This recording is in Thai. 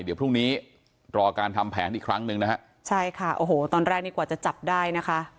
เดี๋ยวพรุ่งนี้รอการทำแผนอีกครั้งหนึ่งนะฮะใช่ค่ะโอ้โหตอนแรกนี่กว่าจะจับได้นะคะ